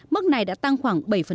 mức này đã tăng khoảng bảy